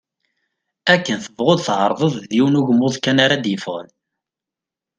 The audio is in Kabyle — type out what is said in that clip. Akken tebɣuḍ tεerḍeḍ, d yiwen ugmuḍ kan ara d-yeffɣen.